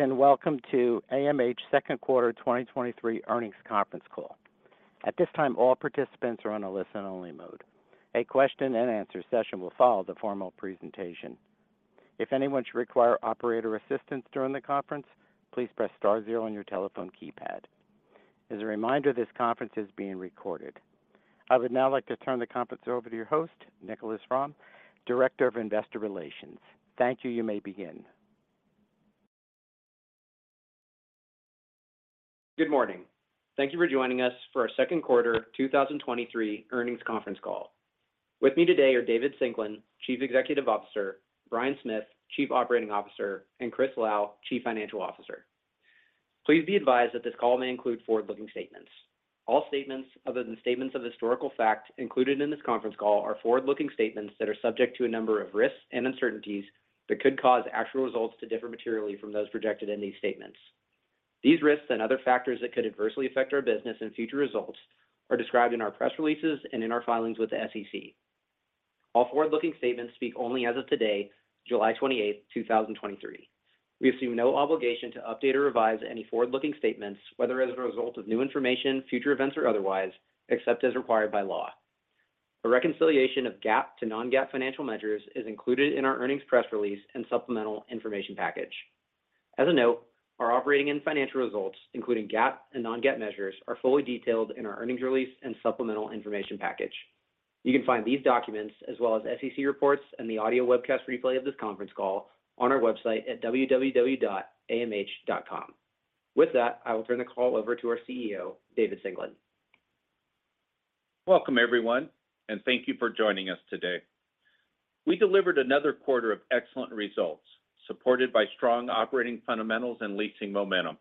Greetings, welcome to AMH Second Quarter 2023 Earnings Conference Call. At this time, all participants are on a listen-only mode. A question and answer session will follow the formal presentation. If anyone should require operator assistance during the conference, please press star zero on your telephone keypad. As a reminder, this conference is being recorded. I would now like to turn the conference over to your host, Nicholas Fromm, Director of Investor Relations. Thank you. You may begin. Good morning. Thank you for joining us for our second quarter 2023 earnings conference call. With me today are David Singelyn, Chief Executive Officer, Bryan Smith, Chief Operating Officer, and Chris Lau, Chief Financial Officer. Please be advised that this call may include forward-looking statements. All statements other than statements of historical fact included in this conference call are forward-looking statements that are subject to a number of risks and uncertainties that could cause actual results to differ materially from those projected in these statements. These risks and other factors that could adversely affect our business and future results are described in our press releases and in our filings with the SEC. All forward-looking statements speak only as of today, July 28, 2023. We assume no obligation to update or revise any forward-looking statements, whether as a result of new information, future events, or otherwise, except as required by law. A reconciliation of GAAP to non-GAAP financial measures is included in our earnings press release and supplemental information package. As a note, our operating and financial results, including GAAP and non-GAAP measures, are fully detailed in our earnings release and supplemental information package. You can find these documents as well as SEC reports and the audio webcast replay of this conference call on our website at www.amh.com. With that, I will turn the call over to our CEO, David Singelyn. Welcome, everyone, thank you for joining us today. We delivered another quarter of excellent results, supported by strong operating fundamentals and leasing momentum.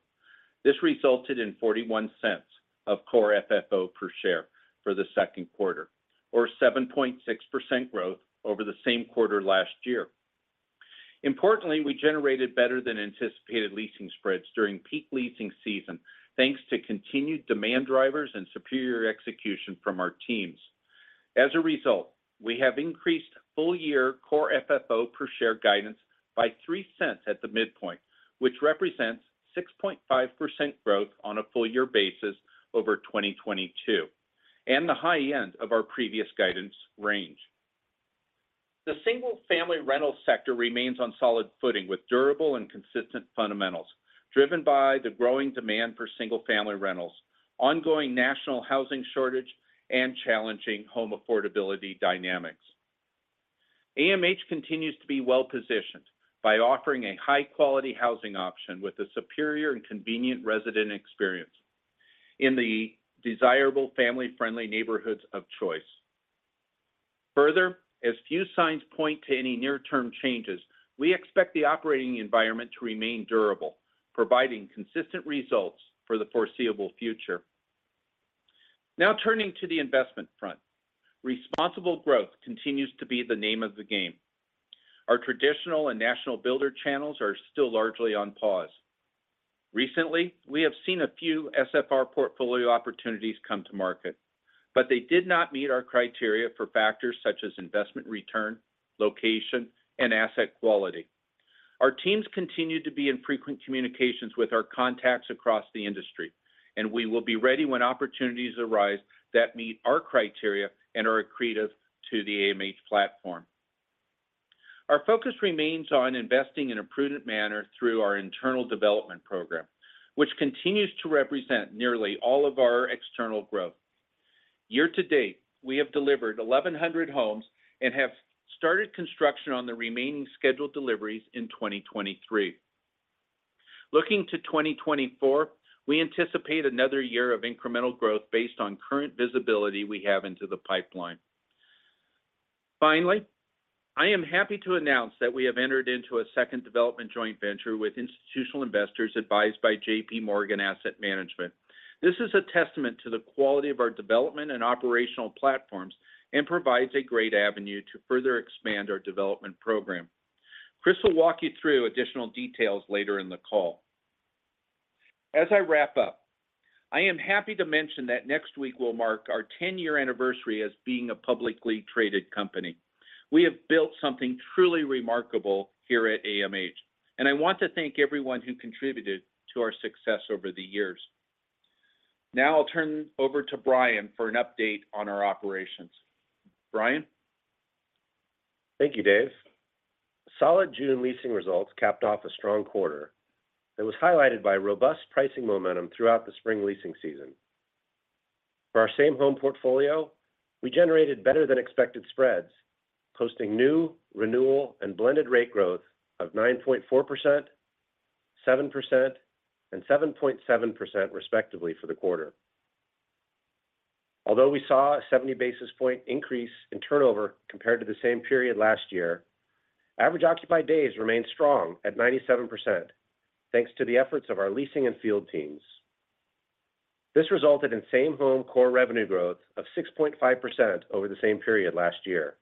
This resulted in $0.41 of Core FFO per share for the second quarter, or 7.6% growth over the same quarter last year. Importantly, we generated better than anticipated leasing spreads during peak leasing season, thanks to continued demand drivers and superior execution from our teams. As a result, we have increased full-year Core FFO per share guidance by $0.03 at the midpoint, which represents 6.5% growth on a full year basis over 2022, the high end of our previous guidance range. The single-family rental sector remains on solid footing, with durable and consistent fundamentals, driven by the growing demand for single-family rentals, ongoing national housing shortage, and challenging home affordability dynamics. AMH continues to be well-positioned by offering a high-quality housing option with a superior and convenient resident experience in the desirable, family-friendly neighborhoods of choice. Further, as few signs point to any near-term changes, we expect the operating environment to remain durable, providing consistent results for the foreseeable future. Now, turning to the investment front. Responsible growth continues to be the name of the game. Our traditional and national builder channels are still largely on pause. Recently, we have seen a few SFR portfolio opportunities come to market, but they did not meet our criteria for factors such as investment return, location, and asset quality. Our teams continue to be in frequent communications with our contacts across the industry, and we will be ready when opportunities arise that meet our criteria and are accretive to the AMH platform. Our focus remains on investing in a prudent manner through our internal development program, which continues to represent nearly all of our external growth. Year to date, we have delivered 1,100 homes and have started construction on the remaining scheduled deliveries in 2023. Looking to 2024, we anticipate another year of incremental growth based on current visibility we have into the pipeline. Finally, I am happy to announce that we have entered into a second development joint venture with institutional investors advised by J.P. Morgan Asset Management. This is a testament to the quality of our development and operational platforms and provides a great avenue to further expand our development program. Chris will walk you through additional details later in the call. As I wrap up, I am happy to mention that next week will mark our 10-year anniversary as being a publicly traded company. We have built something truly remarkable here at AMH, and I want to thank everyone who contributed to our success over the years. Now, I'll turn over to Bryan for an update on our operations. Bryan? Thank you, Dave. Solid June leasing results capped off a strong quarter that was highlighted by robust pricing momentum throughout the spring leasing season. For our same-home portfolio, we generated better-than-expected spreads, posting new, renewal, and blended rate growth of 9.4%, 7%, and 7.7%, respectively, for the quarter. Although we saw a 70 basis point increase in turnover compared to the same period last year, average occupied days remained strong at 97%, thanks to the efforts of our leasing and field teams. This resulted in same-home core revenue growth of 6.5% over the same period last year.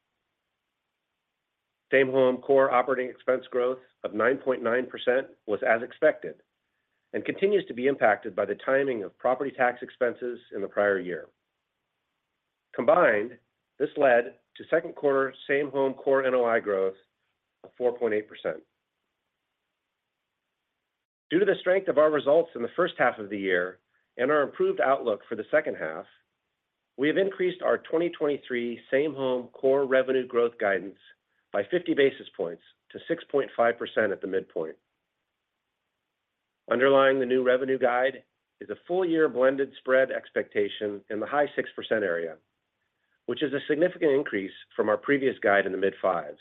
Same-home core operating expense growth of 9.9% was as expected and continues to be impacted by the timing of property tax expenses in the prior year.... Combined, this led to second quarter same-home Core NOI growth of 4.8%. Due to the strength of our results in the first half of the year and our improved outlook for the second half, we have increased our 2023 same-home core revenue growth guidance by 50 basis points to 6.5% at the midpoint. Underlying the new revenue guide is a full year blended spread expectation in the high 6% area, which is a significant increase from our previous guide in the mid-5s.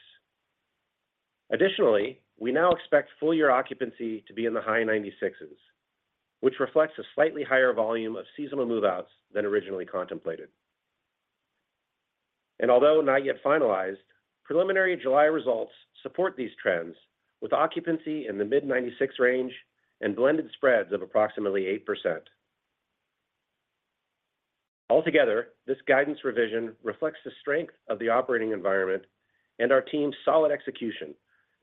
Additionally, we now expect full year occupancy to be in the high 96s, which reflects a slightly higher volume of seasonal move-outs than originally contemplated. Although not yet finalized, preliminary July results support these trends, with occupancy in the mid-96 range and blended spreads of approximately 8%. Altogether, this guidance revision reflects the strength of the operating environment and our team's solid execution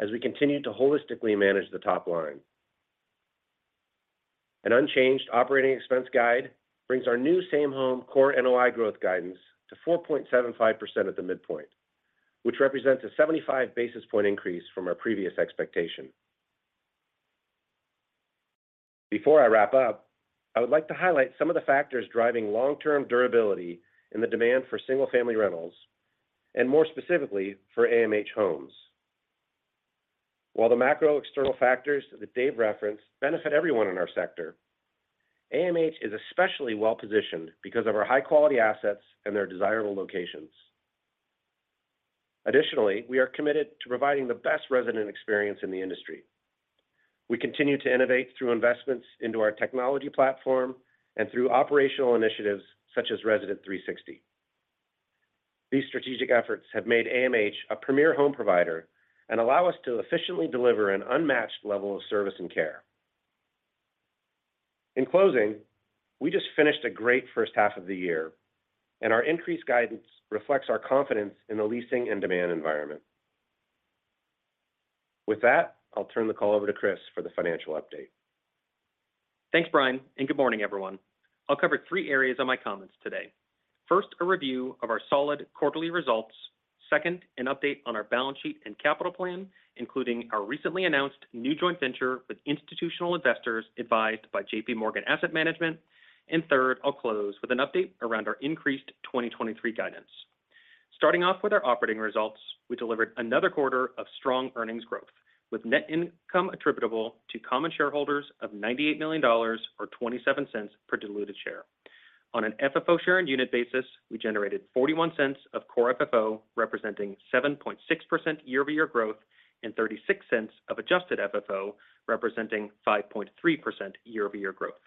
as we continue to holistically manage the top line. An unchanged operating expense guide brings our new same-home Core NOI growth guidance to 4.75% at the midpoint, which represents a 75 basis point increase from our previous expectation. Before I wrap up, I would like to highlight some of the factors driving long-term durability in the demand for single-family rentals, and more specifically, for AMH homes. While the macro external factors that Dave referenced benefit everyone in our sector, AMH is especially well-positioned because of our high-quality assets and their desirable locations. We are committed to providing the best resident experience in the industry. We continue to innovate through investments into our technology platform and through operational initiatives such as Resident 360. These strategic efforts have made AMH a premier home provider and allow us to efficiently deliver an unmatched level of service and care. In closing, we just finished a great first half of the year, our increased guidance reflects our confidence in the leasing and demand environment. With that, I'll turn the call over to Chris for the financial update. Thanks, Bryan, Good morning, everyone. I'll cover three areas of my comments today. First, a review of our solid quarterly results. Second, an update on our balance sheet and capital plan, including our recently announced new joint venture with institutional investors advised by J.P. Morgan Asset Management. Third, I'll close with an update around our increased 2023 guidance. Starting off with our operating results, we delivered another quarter of strong earnings growth, with net income attributable to common shareholders of $98 million or $0.27 per diluted share. On an FFO share and unit basis, we generated $0.41 of Core FFO, representing 7.6% year-over-year growth, and $0.36 of Adjusted FFO, representing 5.3% year-over-year growth.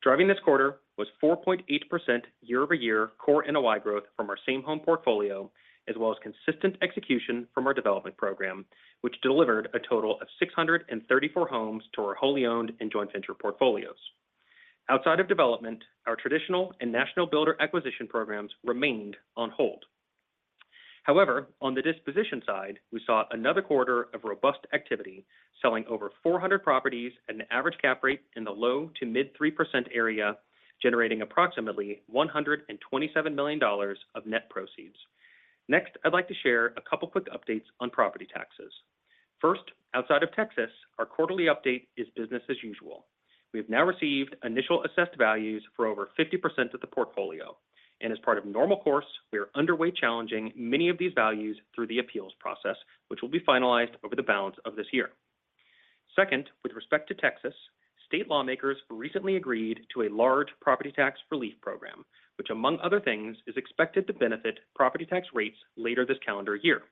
Driving this quarter was 4.8% year-over-year Core NOI growth from our same-home portfolio, as well as consistent execution from our development program, which delivered a total of 634 homes to our wholly-owned and joint venture portfolios. Outside of development, our traditional and national builder acquisition programs remained on hold. On the disposition side, we saw another quarter of robust activity, selling over 400 properties at an average cap rate in the low to mid 3% area, generating approximately $127 million of net proceeds. I'd like to share a couple of quick updates on property taxes. Outside of Texas, our quarterly update is business as usual. We have now received initial assessed values for over 50% of the portfolio. As part of normal course, we are underway challenging many of these values through the appeals process, which will be finalized over the balance of this year. Second, with respect to Texas, state lawmakers recently agreed to a large property tax relief program, which, among other things, is expected to benefit property tax rates later this calendar year.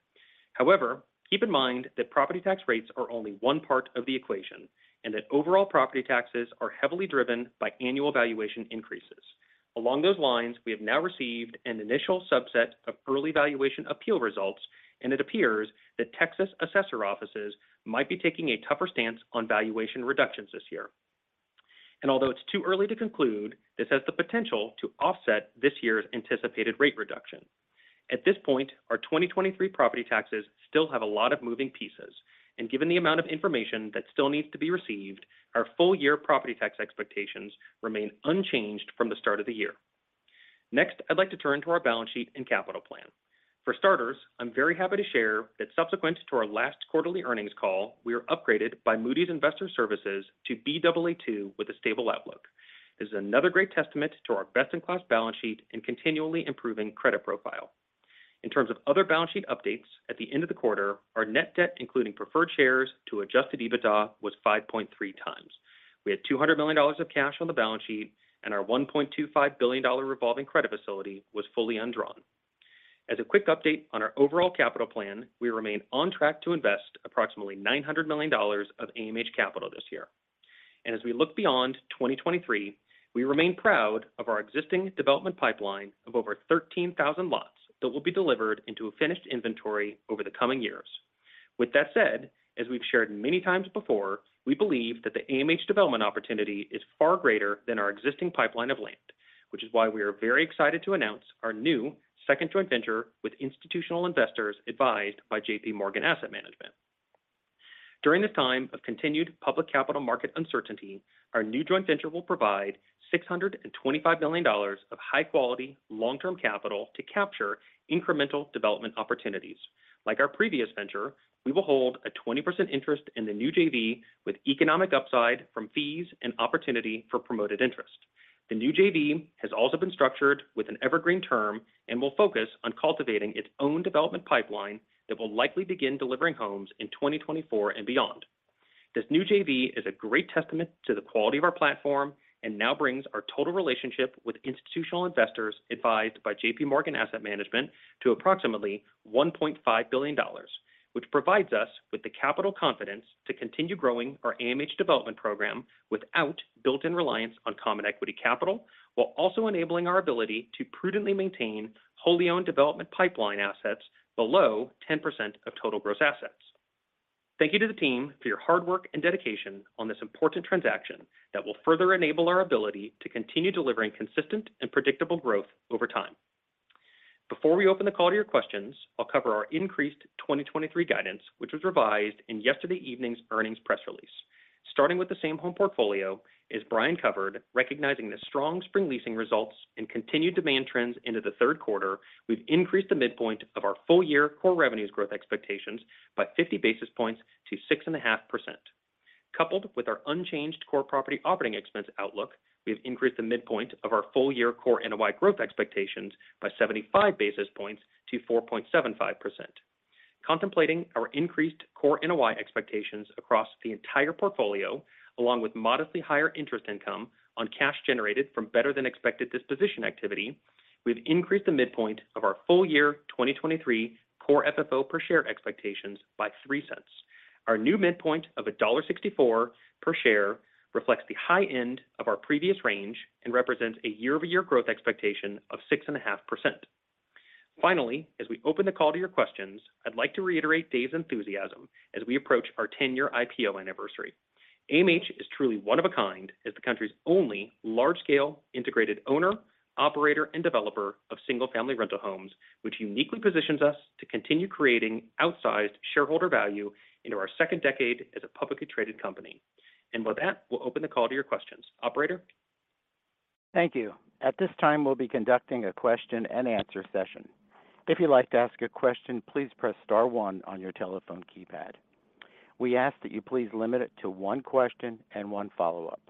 However, keep in mind that property tax rates are only one part of the equation, and that overall property taxes are heavily driven by annual valuation increases. Along those lines, we have now received an initial subset of early valuation appeal results, and it appears that Texas assessor offices might be taking a tougher stance on valuation reductions this year. Although it's too early to conclude, this has the potential to offset this year's anticipated rate reduction. At this point, our 2023 property taxes still have a lot of moving pieces, and given the amount of information that still needs to be received, our full-year property tax expectations remain unchanged from the start of the year. Next, I'd like to turn to our balance sheet and capital plan. For starters, I'm very happy to share that subsequent to our last quarterly earnings call, we are upgraded by Moody's Investors Service to Baa2 with a stable outlook. This is another great testament to our best-in-class balance sheet and continually improving credit profile. In terms of other balance sheet updates, at the end of the quarter, our net debt, including preferred shares to adjusted EBITDA, was 5.3x. We had $200 million of cash on the balance sheet. Our $1.25 billion revolving credit facility was fully undrawn. As a quick update on our overall capital plan, we remain on track to invest approximately $900 million of AMH capital this year. As we look beyond 2023, we remain proud of our existing development pipeline of over 13,000 lots that will be delivered into a finished inventory over the coming years. With that said, as we've shared many times before, we believe that the AMH development opportunity is far greater than our existing pipeline of land, which is why we are very excited to announce our new second joint venture with institutional investors advised by J.P. Morgan Asset Management. During this time of continued public capital market uncertainty, our new joint venture will provide $625 million of high quality, long-term capital to capture incremental development opportunities. Like our previous venture, we will hold a 20% interest in the new JV with economic upside from fees and opportunity for promoted interest. The new JV has also been structured with an evergreen term and will focus on cultivating its own development pipeline that will likely begin delivering homes in 2024 and beyond. This new JV is a great testament to the quality of our platform, now brings our total relationship with institutional investors advised by J.P. Morgan Asset Management to approximately $1.5 billion, which provides us with the capital confidence to continue growing our AMH development program without built-in reliance on common equity capital, while also enabling our ability to prudently maintain wholly owned development pipeline assets below 10% of total gross assets. Thank you to the team for your hard work and dedication on this important transaction that will further enable our ability to continue delivering consistent and predictable growth over time. Before we open the call to your questions, I'll cover our increased 2023 guidance, which was revised in yesterday evening's earnings press release. Starting with the same home portfolio, as Bryan covered, recognizing the strong spring leasing results and continued demand trends into the third quarter, we've increased the midpoint of our full year Core revenues growth expectations by 50 basis points to 6.5%. Coupled with our unchanged core property operating expense outlook, we've increased the midpoint of our full year Core NOI growth expectations by 75 basis points to 4.75%. Contemplating our increased Core NOI expectations across the entire portfolio, along with modestly higher interest income on cash generated from better than expected disposition activity, we've increased the midpoint of our full year 2023 Core FFO per share expectations by $0.03. Our new midpoint of $1.64 per share reflects the high end of our previous range and represents a year-over-year growth expectation of 6.5%. Finally, as we open the call to your questions, I'd like to reiterate Dave's enthusiasm as we approach our 10-year IPO anniversary. AMH is truly one of a kind as the country's only large-scale integrated owner, operator, and developer of single-family rental homes, which uniquely positions us to continue creating outsized shareholder value into our second decade as a publicly traded company. With that, we'll open the call to your questions. Operator? Thank you. At this time, we'll be conducting a question and answer session. If you'd like to ask a question, please press star one on your telephone keypad. We ask that you please limit it to one question and one follow-up.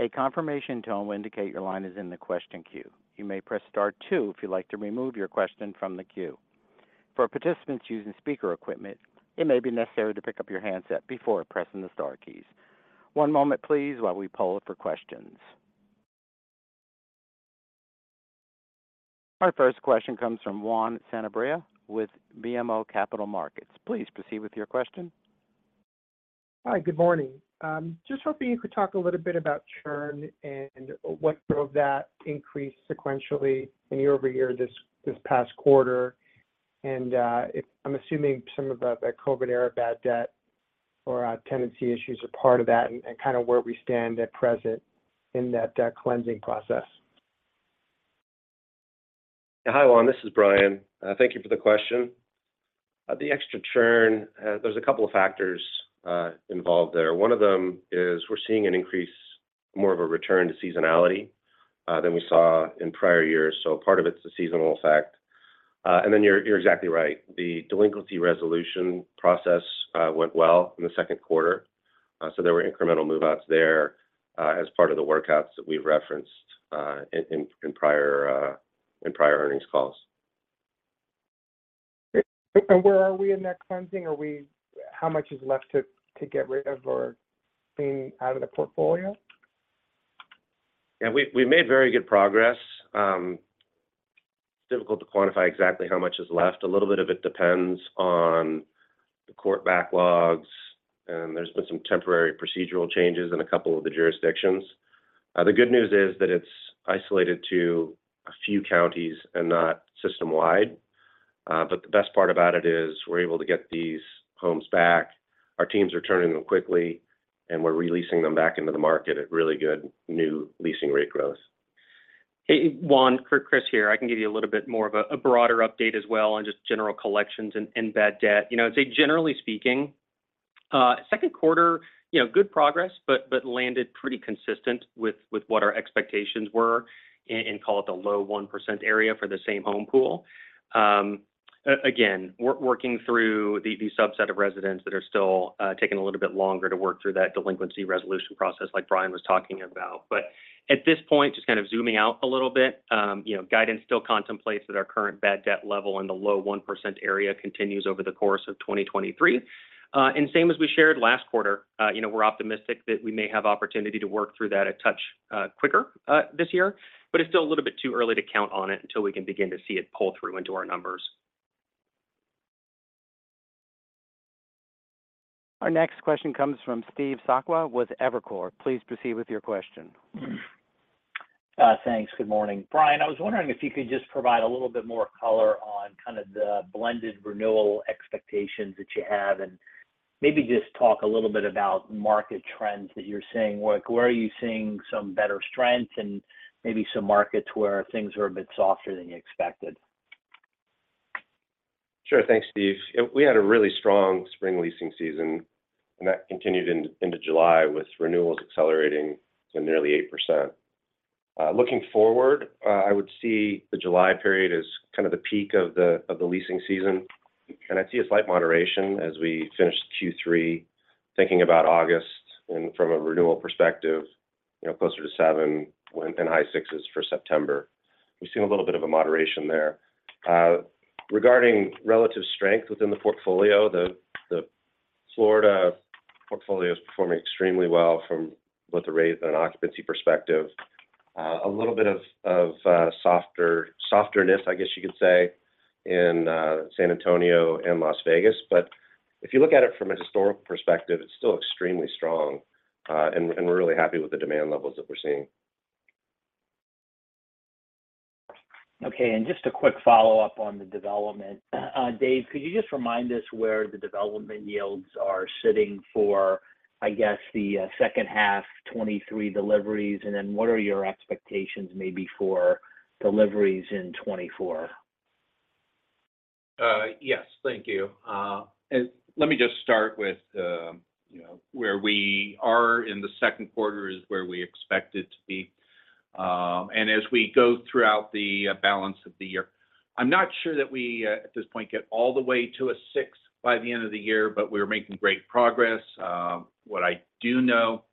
A confirmation tone will indicate your line is in the question queue. You may press star two if you'd like to remove your question from the queue. For participants using speaker equipment, it may be necessary to pick up your handset before pressing the star keys. One moment, please, while we poll for questions. Our first question comes from Juan Sanabria with BMO Capital Markets. Please proceed with your question. Hi, good morning. Just hoping you could talk a little bit about churn and why sort of that increased sequentially and year-over-year this past quarter. I'm assuming some of the, that COVID era bad debt or tenancy issues are part of that, kind of where we stand at present in that debt cleansing process? Hi, Juan, this is Bryan. Thank you for the question. The extra churn, there's a couple of factors involved there. One of them is we're seeing an increase, more of a return to seasonality, than we saw in prior years. Part of it's the seasonal effect. You're, you're exactly right. The delinquency resolution process went well in the second quarter, there were incremental move-outs there, as part of the workouts that we've referenced in, in, in prior, in prior earnings calls. Where are we in net cleansing? How much is left to, to get rid of or clean out of the portfolio? Yeah, we, we made very good progress. It's difficult to quantify exactly how much is left. A little bit of it depends on the court backlogs. There's been some temporary procedural changes in a couple of the jurisdictions. The good news is that it's isolated to a few counties and not system-wide. The best part about it is we're able to get these homes back. Our teams are turning them quickly, and we're releasing them back into the market at really good new leasing rate growth. Hey, Juan, Chris here. I can give you a little bit more of a, a broader update as well on just general collections and, and bad debt. You know, I'd say, generally speaking, second quarter, you know, good progress, but, but landed pretty consistent with, with what our expectations were in, in, call it the low 1% area for the same home pool. Again, we're working through the, the subset of residents that are still taking a little bit longer to work through that delinquency resolution process like Brian was talking about. At this point, just kind of zooming out a little bit, you know, guidance still contemplates that our current bad debt level in the low 1% area continues over the course of 2023. Same as we shared last quarter, you know, we're optimistic that we may have opportunity to work through that a touch quicker this year, but it's still a little bit too early to count on it until we can begin to see it pull through into our numbers. Our next question comes from Steve Sakwa with Evercore. Please proceed with your question. Thanks. Good morning. Bryan, I was wondering if you could just provide a little bit more color on kind of the blended renewal expectations that you have, and maybe just talk a little bit about market trends that you're seeing. Like, where are you seeing some better strengths and maybe some markets where things are a bit softer than you expected? Sure. Thanks, Steve. We had a really strong spring leasing season, and that continued into July, with renewals accelerating to nearly 8%. Looking forward, I would see the July period as kind of the peak of the leasing season, and I see a slight moderation as we finish Q3, thinking about August, and from a renewal perspective, you know, closer to 7% and high 6s for September. We've seen a little bit of a moderation there. Regarding relative strength within the portfolio, the Florida portfolio is performing extremely well from both a rate and an occupancy perspective. A little bit of softer, softerness, I guess you could say, in San Antonio and Las Vegas. If you look at it from a historical perspective, it's still extremely strong, and we're really happy with the demand levels that we're seeing. Okay, just a quick follow-up on the development. Dave, could you just remind us where the development yields are sitting for, I guess, the second half 2023 deliveries? What are your expectations maybe for deliveries in 2024? Yes. Thank you. Let me just start with, you know, where we are in the 2nd quarter is where we expected to be. As we go throughout the balance of the year, I'm not sure that we at this point, get all the way to a six by the end of the year, but we're making great progress. What I do know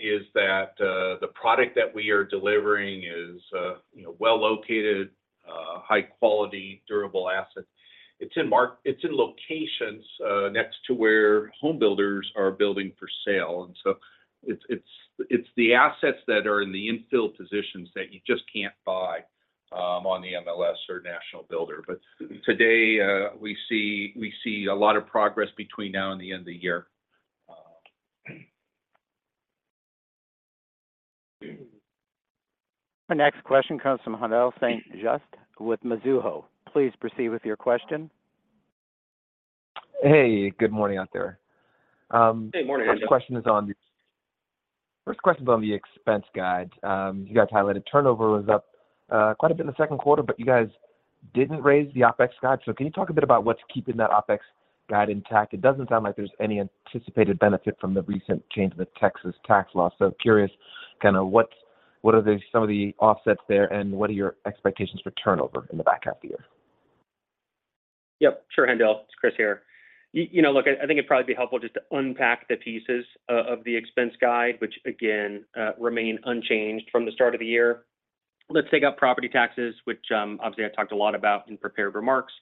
is that the product that we are delivering is, you know, well-located, high quality, durable asset. It's in locations, next to where home builders are building for sale, and so it's the assets that are in the infill positions that you just can't buy on the MLS or national builder. Today, we see, we see a lot of progress between now and the end of the year. The next question comes from Haendel St. Juste with Mizuho. Please proceed with your question. Hey, good morning out there. Hey, morning, Haendel. First question is on the expense guide. You guys highlighted turnover was up quite a bit in the second quarter, but you guys didn't raise the OpEx guide. Can you talk a bit about what's keeping that OpEx guide intact? It doesn't sound like there's any anticipated benefit from the recent change in the Texas tax law. Curious, kinda what are some of the offsets there, and what are your expectations for turnover in the back half of the year? Yep, sure, Haendel. It's Chris here. You know, look, I think it'd probably be helpful just to unpack the pieces of the expense guide, which, again, remain unchanged from the start of the year. Let's take out property taxes, which, obviously I talked a lot about in prepared remarks.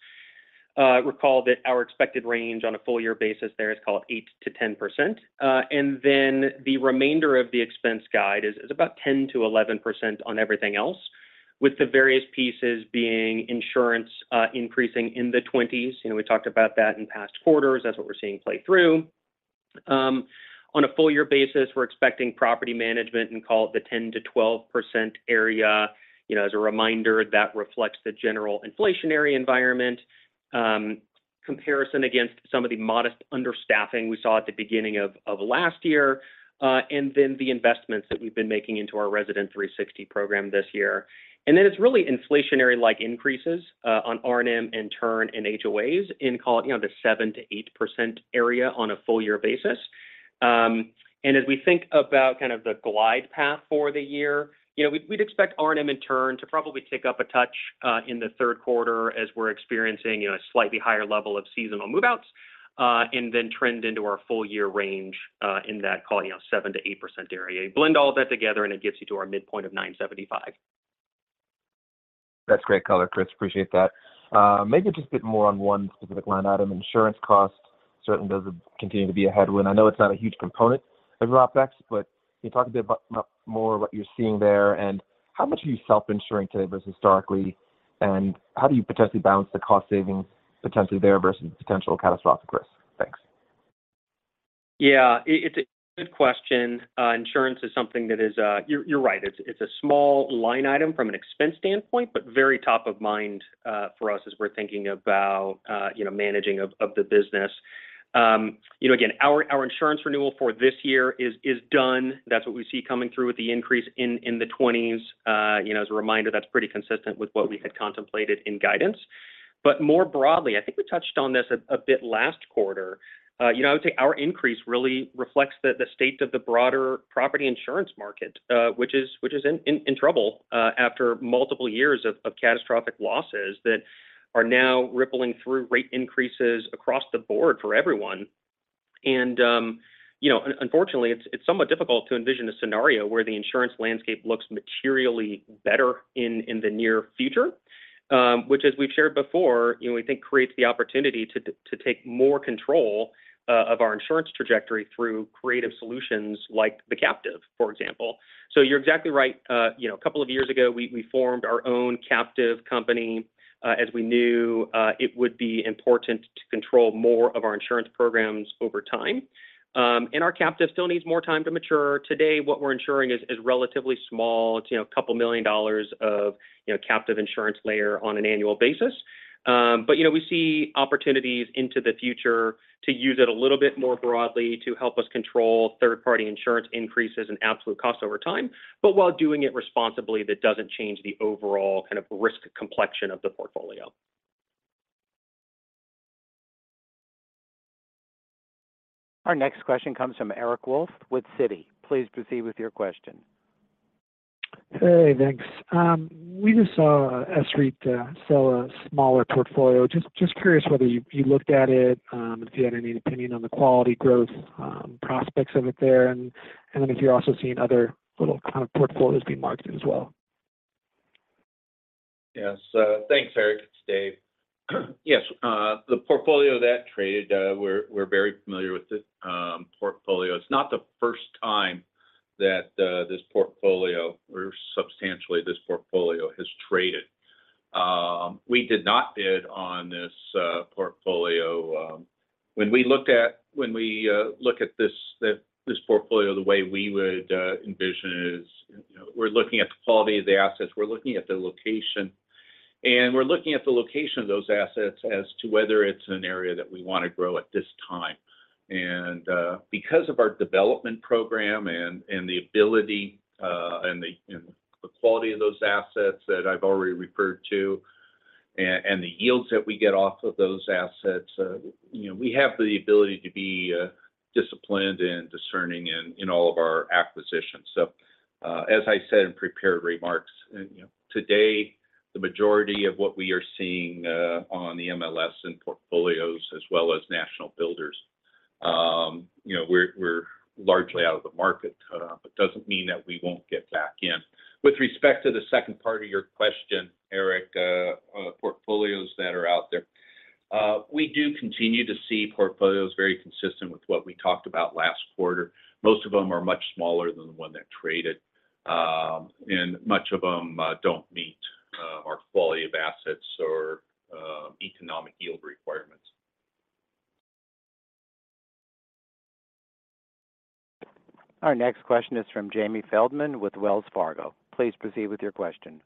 Recall that our expected range on a full year basis there is called 8%-10%. Then the remainder of the expense guide is, is about 10%-11% on everything else, with the various pieces being insurance, increasing in the twenties. You know, we talked about that in past quarters. That's what we're seeing play through. On a full year basis, we're expecting property management and call it the 10%-12% area. You know, as a reminder, that reflects the general inflationary environment, comparison against some of the modest understaffing we saw at the beginning of, of last year, the investments that we've been making into our Resident 360 program this year. It's really inflationary like increases, on R&M and turn in HOAs in call, you know, the 7%-8% area on a full year basis. As we think about kind of the glide path for the year, you know, we'd, we'd expect R&M in turn to probably tick up a touch, in the third quarter as we're experiencing, you know, a slightly higher level of seasonal move-outs, then trend into our full year range, in that call, you know, 7%-8% area. Blend all that together, and it gets you to our midpoint of $9.75. That's great color, Chris. Appreciate that. Maybe just a bit more on one specific line item. Insurance cost certainly doesn't continue to be a headwind. I know it's not a huge component of OpEx, but can you talk a bit more what you're seeing there, and how much are you self-insuring today versus historically, and how do you potentially balance the cost savings potentially there versus potential catastrophic risk? Thanks. Yeah, it's a good question. Insurance is something that is. You're, you're right. It's a small line item from an expense standpoint, but very top of mind, for us as we're thinking about, you know, managing of the business. You know, again, our insurance renewal for this year is done. That's what we see coming through with the increase in the 20s. You know, as a reminder, that's pretty consistent with what we had contemplated in guidance. More broadly, I think we touched on this a bit last quarter. You know, I would say our increase really reflects the, the state of the broader property insurance market, which is, which is in, in, in trouble, after multiple years of, of catastrophic losses that are now rippling through rate increases across the board for everyone. You know, unfortunately, it's, it's somewhat difficult to envision a scenario where the insurance landscape looks materially better in, in the near future, which, as we've shared before, you know, we think creates the opportunity to, to take more control of our insurance trajectory through creative solutions like the captive, for example. You're exactly right. You know, a couple of years ago, we, we formed our own captive company, as we knew, it would be important to control more of our insurance programs over time. Our captive still needs more time to mature. Today, what we're ensuring is relatively small. It's, you know, a couple million dollars of you know, captive insurance layer on an annual basis. You know, we see opportunities into the future to use it a little bit more broadly to help us control third-party insurance increases and absolute cost over time, but while doing it responsibly, that doesn't change the overall kind of risk complexion of the portfolio. Our next question comes from Eric Wolfe with Citi. Please proceed with your question. Hey, thanks. We just saw SREIT sell a smaller portfolio. Just curious whether you looked at it, if you had any opinion on the quality growth, prospects of it there, and if you're also seeing other little kind of portfolios being marketed as well? Yes. thanks, Eric. It's Dave. Yes, the portfolio that traded, we're, we're very familiar with the portfolio. It's not the first time that this portfolio or substantially this portfolio has traded. We did not bid on this portfolio. When we look at-- when we look at this, this portfolio, the way we would envision it is, you know, we're looking at the quality of the assets, we're looking at the location, and we're looking at the location of those assets as to whether it's an area that we want to grow at this time. Because of our development program and, and the ability, and the quality of those assets that I've already referred to, and the yields that we get off of those assets, you know, we have the ability to be disciplined and discerning in, in all of our acquisitions. As I said in prepared remarks, and, you know, today, the majority of what we are seeing on the MLS and portfolios as well as national builders, you know, we're, we're largely out of the market. It doesn't mean that we won't get back in. With respect to the second part of your question, Eric, portfolios that are out there, we do continue to see portfolios very consistent with what we talked about last quarter. Most of them are much smaller than the one that traded, and much of them don't meet our quality of assets or economic yield requirements. Our next question is from Jamie Feldman with Wells Fargo. Please proceed with your question.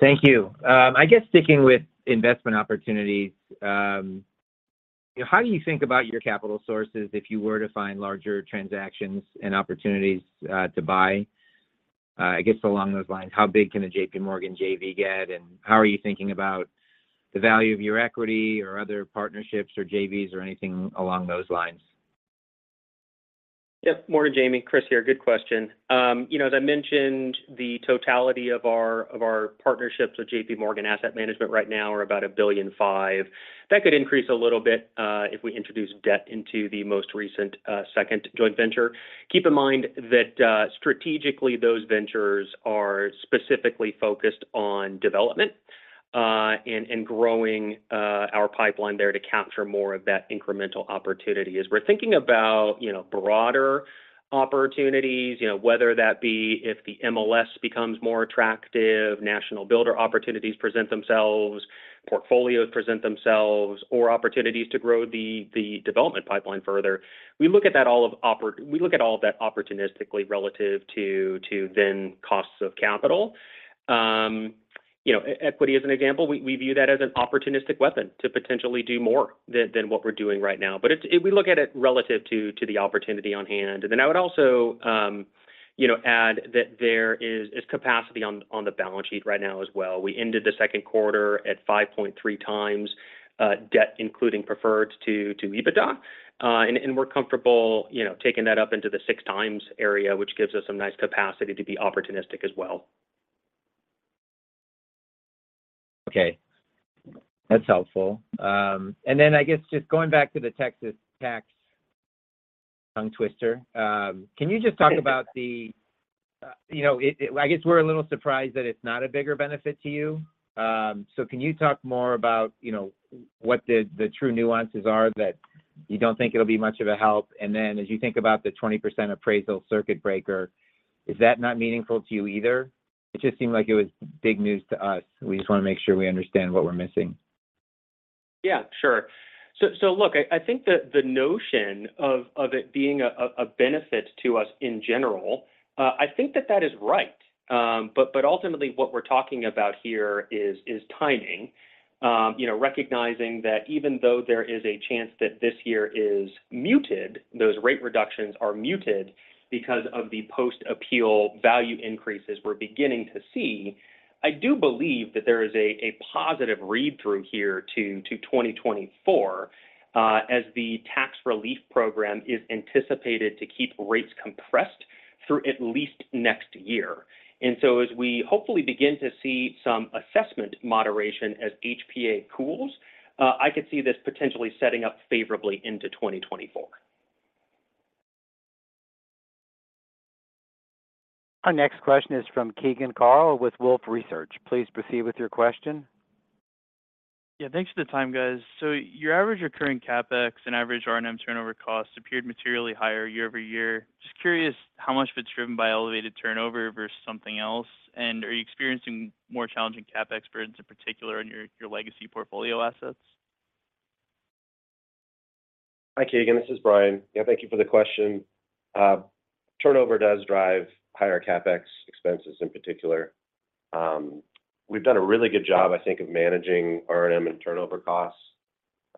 Thank you. I guess sticking with investment opportunities, how do you think about your capital sources if you were to find larger transactions and opportunities to buy? I guess along those lines, how big can a J.P. Morgan JV get, and how are you thinking about the value of your equity or other partnerships, or JVs, or anything along those lines? Yep. Morning, Jamie. Chris here. Good question. you know, as I mentioned, the totality of our partnerships with J.P. Morgan Asset Management right now are about $1.5 billion. That could increase a little bit if we introduce debt into the most recent second joint venture. Keep in mind that strategically, those ventures are specifically focused on development and growing our pipeline there to capture more of that incremental opportunity. As we're thinking about, you know, broader opportunities, you know, whether that be if the MLS becomes more attractive, national builder opportunities present themselves, portfolios present themselves, or opportunities to grow the development pipeline further. We look at all of that opportunistically relative to then costs of capital. you know, e-equity, as an example, we, we view that as an opportunistic weapon to potentially do more than, than what we're doing right now. We look at it relative to, to the opportunity on hand. Then I would also, you know, add that there is, is capacity on, on the balance sheet right now as well. We ended the second quarter at 5.3x, debt, including preferred to EBITDA. And we're comfortable, you know, taking that up into the 6x area, which gives us some nice capacity to be opportunistic as well. Okay. That's helpful. Then I guess just going back to the Texas tax tongue twister, can you just talk about, you know, I guess we're a little surprised that it's not a bigger benefit to you. Can you talk more about, you know, what the, the true nuances are that you don't think it'll be much of a help? Then, as you think about the 20% appraisal circuit breaker, is that not meaningful to you either? It just seemed like it was big news to us. We just want to make sure we understand what we're missing. Yeah, sure. Look, I, I think the, the notion of, of it being a, a, a benefit to us in general, I think that that is right. But ultimately, what we're talking about here is, is timing. You know, recognizing that even though there is a chance that this year is muted, those rate reductions are muted because of the post-appeal value increases we're beginning to see. I do believe that there is a, a positive read-through here to, to 2024, as the tax relief program is anticipated to keep rates compressed through at least next year. As we hopefully begin to see some assessment moderation as HPA cools, I could see this potentially setting up favorably into 2024. Our next question is from Keegan Carl with Wolfe Research. Please proceed with your question. Thanks for the time, guys. Your average recurring CapEx and average R&M turnover cost appeared materially higher year-over-year. Just curious how much of it's driven by elevated turnover versus something else. Are you experiencing more challenging CapEx spends, in particular in your, your legacy portfolio assets? Hi, Keegan, this is Bryan. Yeah, thank you for the question. Turnover does drive higher CapEx expenses in particular. We've done a really good job, I think, of managing R&M and turnover costs.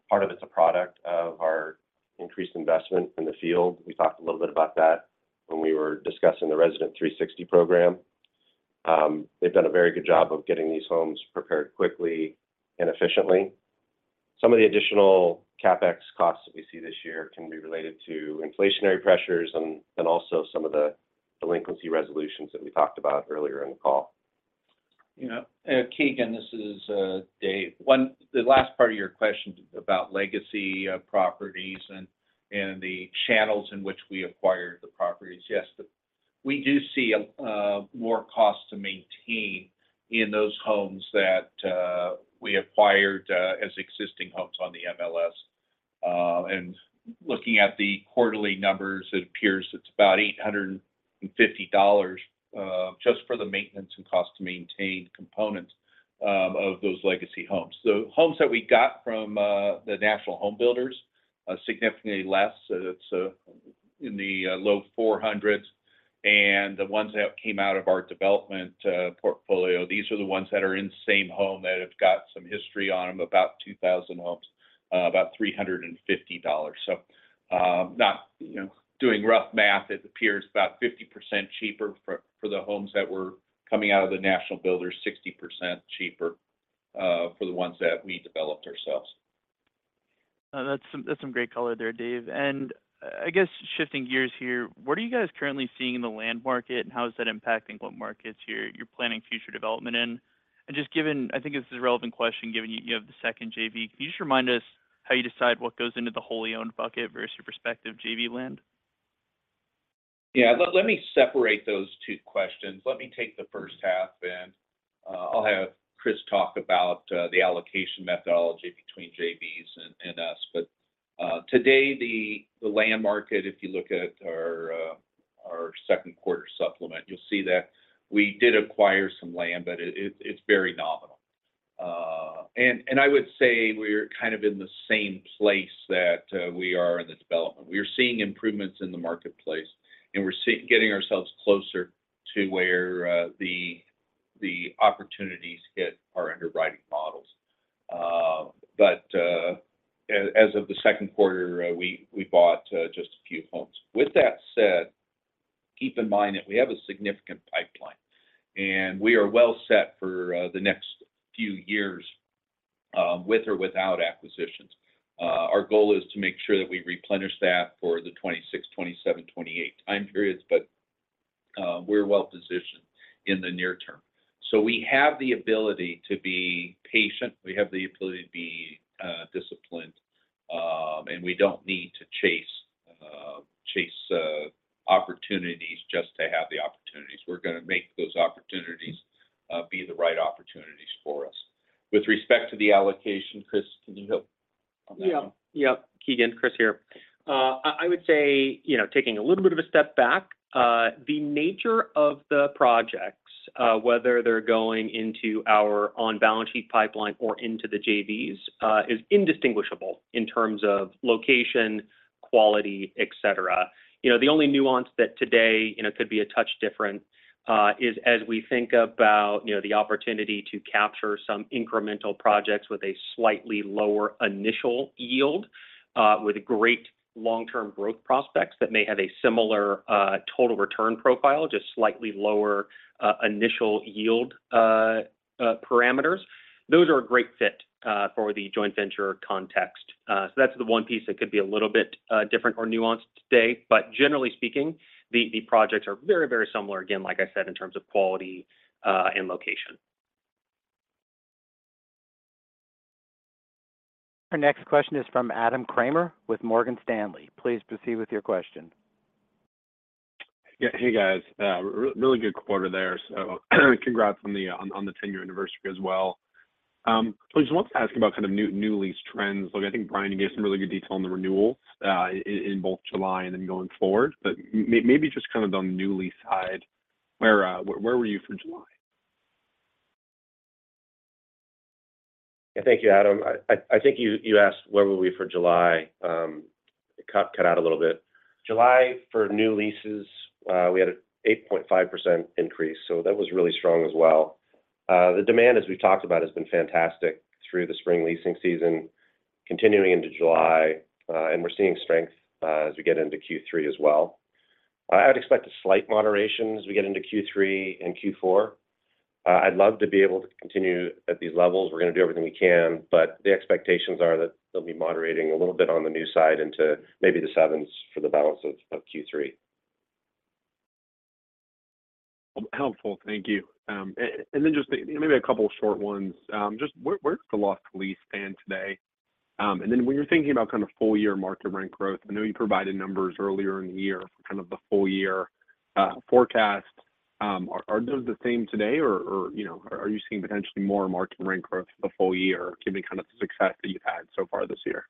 Part of it's a product of our increased investment in the field. We talked a little bit about that when we were discussing the Resident 360 program. They've done a very good job of getting these homes prepared quickly and efficiently. Some of the additional CapEx costs that we see this year can be related to inflationary pressures and also some of the delinquency resolutions that we talked about earlier in the call. You know, Keegan Carl, this is David Singelyn. The last part of your question about legacy properties and the channels in which we acquire the properties. Yes, we do see more costs to maintain in those homes that we acquired as existing homes on the MLS. Looking at the quarterly numbers, it appears it's about $850 just for the maintenance and cost to maintain component of those legacy homes. The homes that we got from the national home builders significantly less. It's in the low four hundreds, and the ones that came out of our development portfolio, these are the ones that are in the same home, that have got some history on them, about 2,000 homes, about $350. Not, you know, doing rough math, it appears about 50% cheaper for, for the homes that were coming out of the national builders, 60% cheaper, for the ones that we developed ourselves. That's some, that's some great color there, Dave. I guess shifting gears here, what are you guys currently seeing in the land market, and how is that impacting what markets you're, you're planning future development in? Just given... I think this is a relevant question, given you, you have the second JV. Can you just remind us how you decide what goes into the wholly owned bucket versus your prospective JV land? Yeah. Let me separate those two questions. Let me take the first half, and I'll have Chris talk about the allocation methodology between JVs and us. Today, the land market, if you look at our second quarter supplement, you'll see that we did acquire some land, but it's very nominal. I would say we're kind of in the same place that we are in the development. We're seeing improvements in the marketplace, and we're getting ourselves closer to where the opportunities hit our underwriting models. As of the second quarter, we bought just a few homes. With that said, keep in mind that we have a significant pipeline, and we are well set for the next few years, with or without acquisitions. Our goal is to make sure that we replenish that for the 2026, 2027, 2028 time periods. We're well positioned in the near term. We have the ability to be patient, we have the ability to be disciplined. We don't need to chase chase opportunities just to have the opportunities. We're gonna make those opportunities be the right opportunities for us. With respect to the allocation, Chris, can you help on that one? Yeah. Yep, Keegan. Chris here. I, I would say, you know, taking a little bit of a step back, the nature of the projects, whether they're going into our on-balance sheet pipeline or into the JVs, is indistinguishable in terms of location, quality, et cetera. You know, the only nuance that today, you know, could be a touch different, is as we think about, you know, the opportunity to capture some incremental projects with a slightly lower initial yield, with great long-term growth prospects that may have a similar, total return profile, just slightly lower, initial yield, parameters. Those are a great fit for the joint venture context. That's the one piece that could be a little bit different or nuanced today. Generally speaking, the, the projects are very, very similar, again, like I said, in terms of quality, and location. Our next question is from Adam Kramer with Morgan Stanley. Please proceed with your question. Yeah. Hey, guys. Really good quarter there. Congrats on the 10-year anniversary as well. I just wanted to ask about kind of new lease trends. Look, I think, Bryan, you gave some really good detail on the renewal in both July and then going forward, but maybe just kind of on the new lease side, where were you for July? Yeah. Thank you, Adam. I, I, I think you, you asked where were we for July. It cut, cut out a little bit. July, for new leases, we had a 8.5% increase, that was really strong as well. The demand, as we've talked about, has been fantastic through the spring leasing season, continuing into July, we're seeing strength, as we get into Q3 as well. I'd expect a slight moderation as we get into Q3 and Q4. I'd love to be able to continue at these levels. We're gonna do everything we can, the expectations are that they'll be moderating a little bit on the new side into maybe the 7s for the balance of Q3. Helpful. Thank you. Then just maybe a couple of short ones. Just where, where does the loss to lease stand today? Then when you're thinking about kind of full-year market rent growth, I know you provided numbers earlier in the year for kind of the full year forecast. Are, are those the same today, or, or, you know, are, are you seeing potentially more market rent growth for the full year, given kind of the success that you've had so far this year?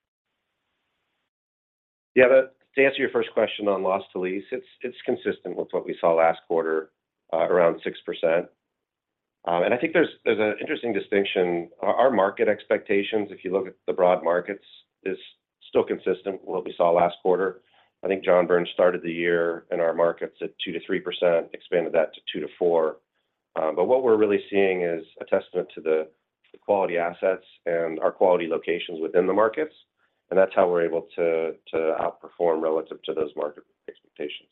Yeah, to answer your first question on loss to lease, it's, it's consistent with what we saw last quarter, around 6%. I think there's, there's an interesting distinction. Our, our market expectations, if you look at the broad markets, is still consistent with what we saw last quarter. I think John Burns started the year in our markets at 2%-3%, expanded that to 2%-4%. What we're really seeing is a testament to the quality assets and our quality locations within the markets, and that's how we're able to, to outperform relative to those market expectations.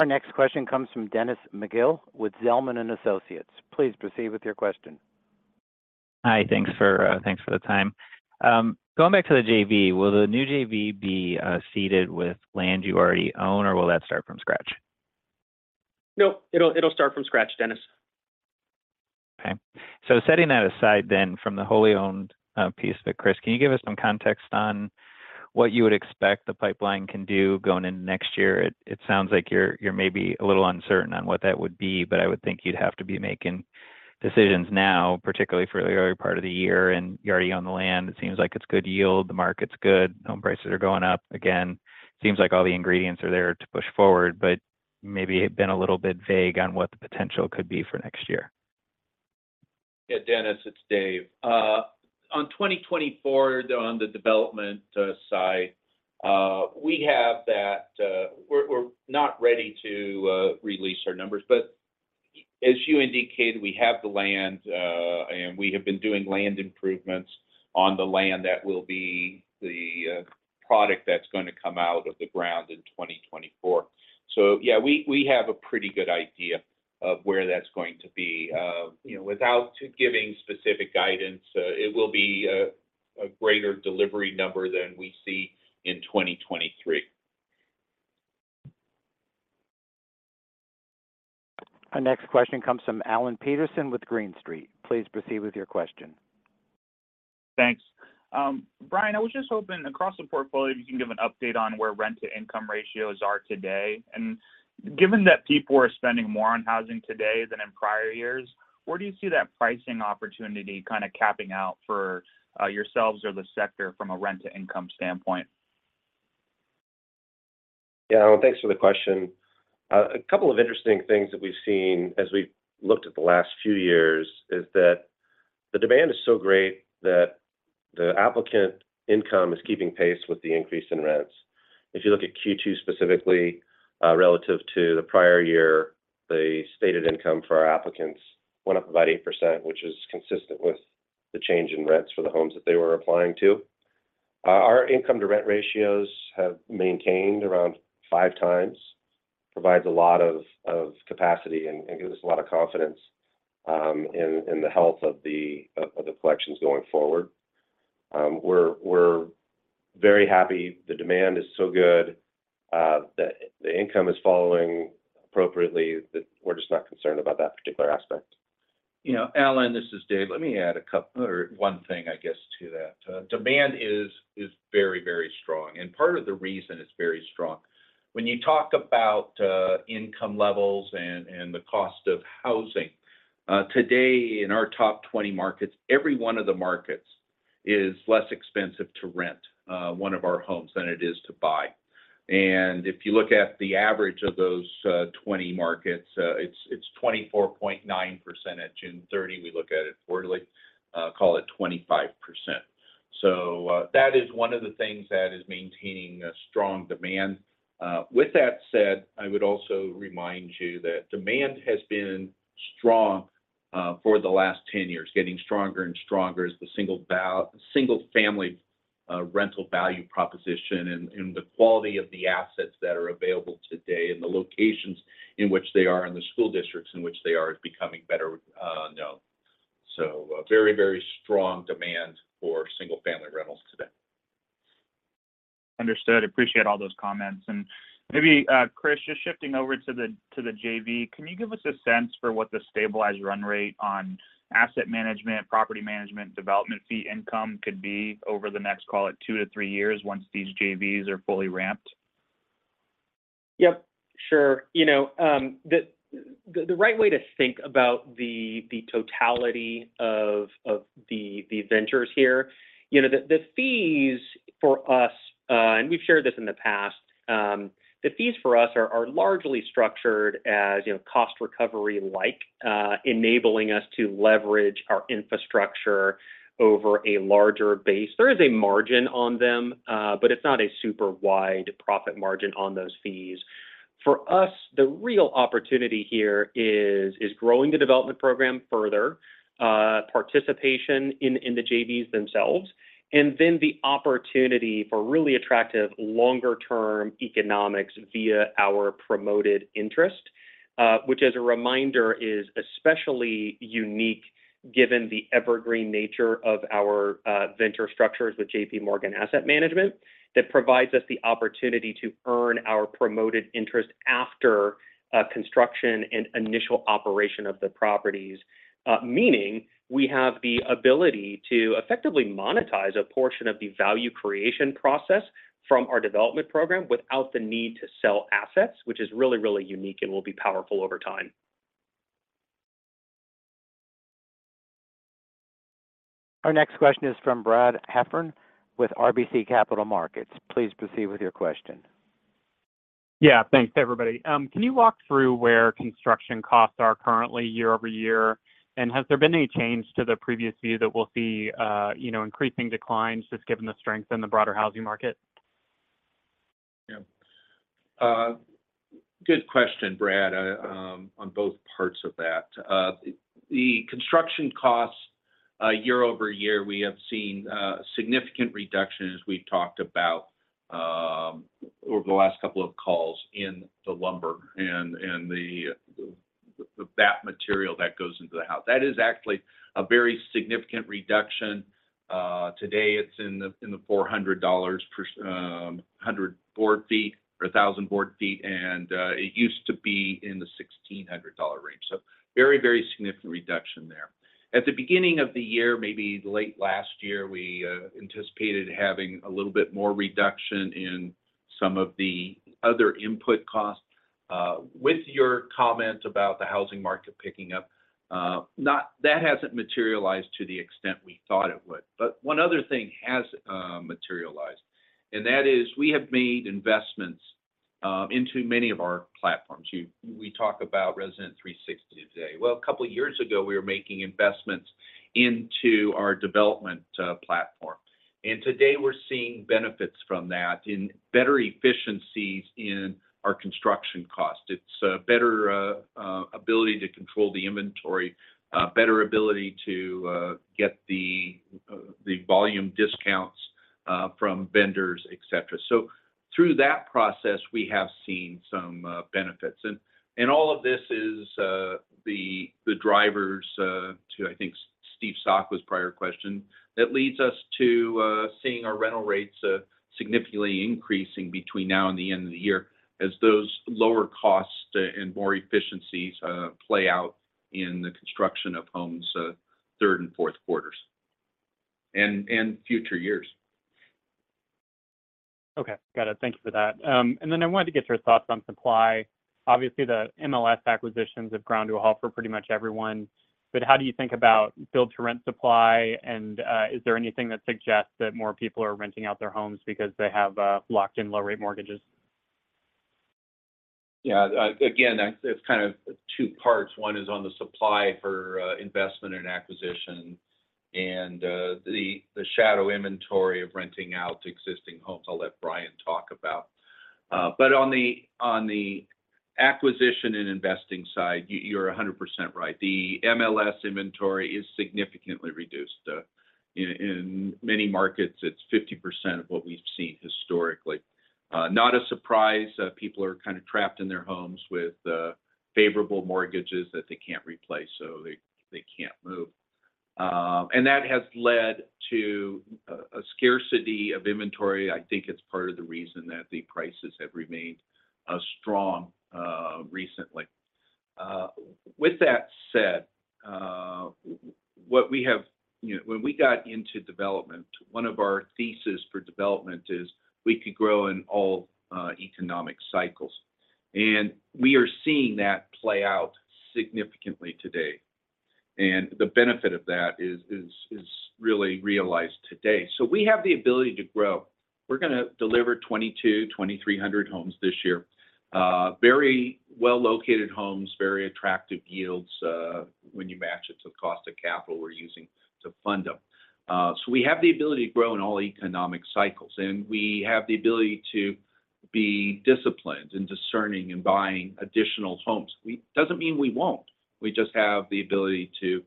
Our next question comes from Dennis McGill with Zelman & Associates. Please proceed with your question. Hi, thanks for, thanks for the time. Going back to the JV, will the new JV be seeded with land you already own, or will that start from scratch? Nope. It'll, it'll start from scratch, Dennis. Setting that aside, from the wholly owned piece. Chris, can you give us some context on what you would expect the pipeline can do going into next year? It sounds like you're maybe a little uncertain on what that would be, but I would think you'd have to be making decisions now, particularly for the early part of the year, and you already own the land. It seems like it's good yield, the market's good, home prices are going up again. Seems like all the ingredients are there to push forward, but maybe been a little bit vague on what the potential could be for next year. Yeah, Dennis, it's Dave. On 2024, on the development side, we have that. We're, we're not ready to release our numbers. As you indicated, we have the land, and we have been doing land improvements on the land. That will be the product that's going to come out of the ground in 2024. Yeah, we, we have a pretty good idea of where that's going to be. You know, without giving specific guidance, it will be a, a greater delivery number than we see in 2023. Our next question comes from Alan Peterson with Green Street. Please proceed with your question. Thanks. Bryan, I was just hoping across the portfolio, you can give an update on where rent-to-income ratios are today. Given that people are spending more on housing today than in prior years, where do you see that pricing opportunity kind of capping out for, yourselves or the sector from a rent-to-income standpoint? Yeah, well, thanks for the question. A couple of interesting things that we've seen as we've looked at the last few years is that the demand is so great that the applicant income is keeping pace with the increase in rents. If you look at Q2 specifically, relative to the prior year, the stated income for our applicants went up about 8%, which is consistent with the change in rents for the homes that they were applying to. Our income-to-rent ratios have maintained around 5x, provides a lot of, of capacity and, and gives us a lot of confidence, in, in the health of the, of, of the collections going forward. We're, we're very happy. The demand is so good, that the income is following appropriately, that we're just not concerned about that particular aspect. You know, Alan, this is Dave. Let me add a couple or one thing, I guess, to that. Demand is, is very, very strong, and part of the reason it's very strong, when you talk about income levels and, and the cost of housing, today in our top 20 markets, every one of the markets is less expensive to rent one of our homes than it is to buy. If you look at the average of those 20 markets, it's 24.9% at June 30. We look at it quarterly, call it 25%. That is one of the things that is maintaining a strong demand. With that said, I would also remind you that demand has been strong for the last 10 years. Getting stronger and stronger as the single-family rental value proposition and, and the quality of the assets that are available today, and the locations in which they are, and the school districts in which they are, is becoming better, known. A very, very strong demand for single-family rentals today. Understood. Appreciate all those comments. Maybe, Chris, just shifting over to the, to the JV, can you give us a sense for what the stabilized run rate on asset management, property management, development fee income could be over the next, call it, two to three years once these JVs are fully ramped? Yep, sure. You know, the, the, the right way to think about the, the totality of, of the, these ventures here, you know, the, the fees for us, and we've shared this in the past, the fees for us are, are largely structured as, you know, cost recovery-like, enabling us to leverage our infrastructure over a larger base. There is a margin on them, but it's not a super wide profit margin on those fees. For us, the real opportunity here is, is growing the development program further, participation in, in the JVs themselves, and then the opportunity for really attractive longer term economics via our promoted interest. Which as a reminder, is especially unique given the evergreen nature of our venture structures with J.P. Morgan Asset Management. That provides us the opportunity to earn our promoted interest after construction and initial operation of the properties. Meaning we have the ability to effectively monetize a portion of the value creation process from our development program without the need to sell assets, which is really, really unique and will be powerful over time. Our next question is from Brad Heffern with RBC Capital Markets. Please proceed with your question. Yeah, thanks, everybody. Can you walk through where construction costs are currently year-over-year? Has there been any change to the previous view that we'll see, you know, increasing declines, just given the strength in the broader housing market? Yeah. Good question, Brad, on both parts of that. The construction costs, year-over-year, we have seen significant reduction, as we've talked about, over the last couple of calls in the lumber and, and the, the, that material that goes into the house. That is actually a very significant reduction. Today, it's in the, in the $400 per 100 board ft or 1,000 board ft, and it used to be in the $1,600 range. Very, very significant reduction there. At the beginning of the year, maybe late last year, we anticipated having a little bit more reduction in some of the other input costs. With your comment about the housing market picking up, That hasn't materialized to the extent we thought it would. One other thing has materialized, and that is we have made investments into many of our platforms. We talk about Resident 360 today. Well, a couple of years ago, we were making investments into our development platform, and today we're seeing benefits from that in better efficiencies in our construction cost. It's a better ability to control the inventory, better ability to get the volume discounts from vendors, et cetera. Through that process, we have seen some benefits. All of this is, the, the drivers, to, I think, Steve Sakwa was prior question, that leads us to, seeing our rental rates, significantly increasing between now and the end of the year, as those lower costs, and more efficiencies, play out in the construction of homes, third and fourth quarters and, and future years. Okay, got it. Thank you for that. Then I wanted to get your thoughts on supply. Obviously, the MLS acquisitions have ground to a halt for pretty much everyone, but how do you think about build-to-rent supply? Is there anything that suggests that more people are renting out their homes because they have locked in low-rate mortgages? Yeah, again, that's, it's kind of two parts. One is on the supply for investment and acquisition and the, the shadow inventory of renting out existing homes. I'll let Bryan talk about. On the, on the acquisition and investing side, you, you're 100% right. The MLS inventory is significantly reduced. In, in many markets, it's 50% of what we've seen historically. Not a surprise, people are kind of trapped in their homes with favorable mortgages that they can't replace, so they, they can't move. That has led to a, a scarcity of inventory. I think it's part of the reason that the prices have remained strong recently. With that said, what we have... You know, when we got into development, one of our thesis for development is we could grow in all economic cycles. We are seeing that play out significantly today. The benefit of that is, is, is really realized today. We have the ability to grow. We're going to deliver 2,200-2,300 homes this year. Very well-located homes, very attractive yields, when you match it to the cost of capital we're using to fund them. We have the ability to grow in all economic cycles, and we have the ability to be disciplined and discerning in buying additional homes. Doesn't mean we won't. We just have the ability to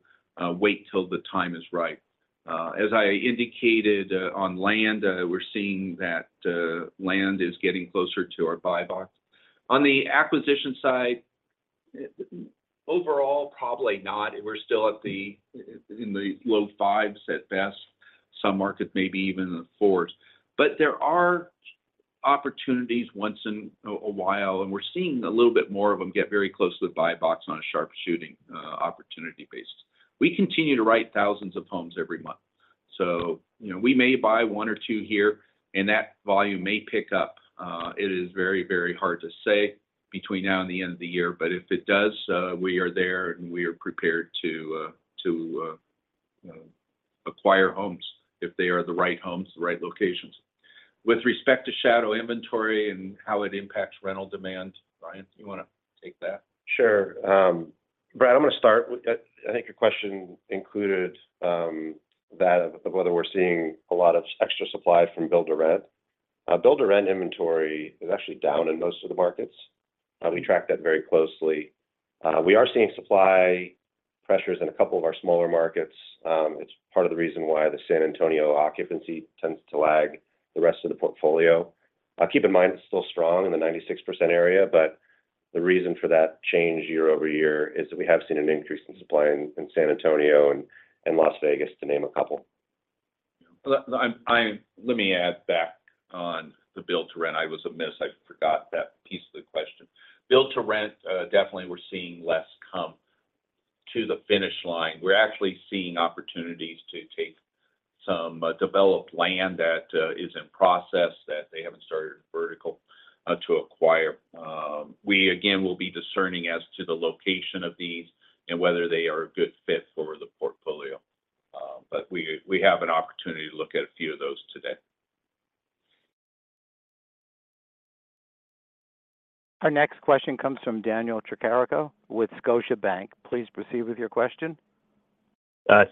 wait till the time is right. As I indicated, on land, we're seeing that land is getting closer to our buy box. On the acquisition side, overall, probably not. We're still at the, in the low 5s at best, some markets, maybe even the 4s. There are opportunities once in a while, and we're seeing a little bit more of them get very close to the buy box on a sharp shooting, opportunity basis. We continue to write thousands of homes every month, so you know, we may buy 1 or 2 here, and that volume may pick up. It is very, very hard to say between now and the end of the year, but if it does, we are there, and we are prepared to, to, you know, acquire homes if they are the right homes, the right locations. With respect to shadow inventory and how it impacts rental demand, Bryan, do you want to take that? Sure. Brad, I'm going to start with, I think your question included that of, of whether we're seeing a lot of extra supply from build-to-rent. Build-to-rent inventory is actually down in most of the markets. We track that very closely. We are seeing supply pressures in a couple of our smaller markets. It's part of the reason why the San Antonio occupancy tends to lag the rest of the portfolio. Keep in mind, it's still strong in the 96% area, but the reason for that change year-over-year is that we have seen an increase in supply in San Antonio and Las Vegas, to name a couple. Yeah. Well, let me add back on the build-to-rent. I was amiss, I forgot that piece of the question. Build-to-rent, definitely we're seeing less come to the finish line. We're actually seeing opportunities to take some developed land that is in process, that they haven't started vertical, to acquire. We again, will be discerning as to the location of these and whether they are a good fit for the portfolio. We, we have an opportunity to look at a few of those today. Our next question comes from Daniel Tricarico with Scotiabank. Please proceed with your question.